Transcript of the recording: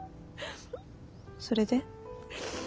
それで？